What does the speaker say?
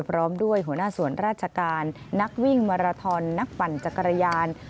พร้อมด้วยหัวหน้าส่วนราชการนักวิ่งมาราทอนนักปั่นจักรยาน